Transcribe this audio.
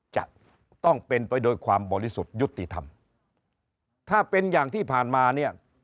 จะต้องเป็นไปโดยความบริสุทธิ์ยุติธรรมถ้าเป็นอย่างที่ผ่านมาเนี่ย